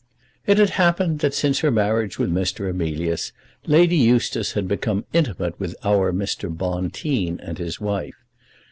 It had happened that, since her marriage with Mr. Emilius, Lady Eustace had become intimate with our Mr. Bonteen and his wife.